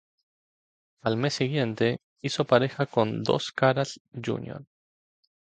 Al mes siguiente, hizo pareja con Dos Caras, Jr.